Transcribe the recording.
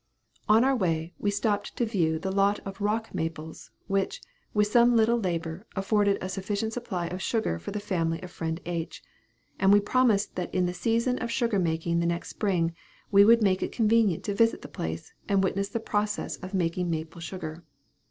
On our way, we stopped to view the lot of rock maples, which, with some little labor, afforded a sufficient supply of sugar for the family of friend H., and we promised that in the season of sugar making the next spring, we would make it convenient to visit the place, and witness the process of making maple sugar.